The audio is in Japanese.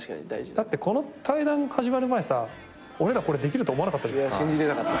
だってこの対談始まる前さ俺らこれできると思わなかったじゃん。